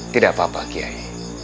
tidak apa apa kiai